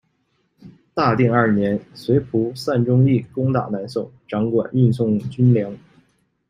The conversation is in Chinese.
大定二年，随仆散忠义攻打南宋，掌管运送军粮。